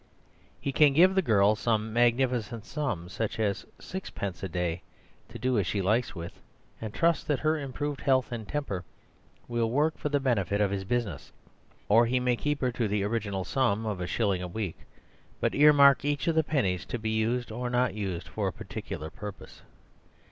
He can give the girl some magnificent sum, such as sixpence a day, to do as she likes with, and trust that her improved health and temper will work for the benefit of his business. Or he may keep her to the original sum of a shilling a week, but earmark each of the pennies to be used or not to be used for a particular purpose.